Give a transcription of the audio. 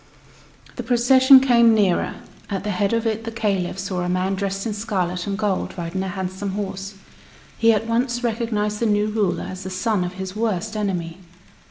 The procession came nearer. At the head of it the Caliph saw a man dressed in scarlet and gold, riding a handsome horse. He at once recognized the new ruler as the son of his worst enemy.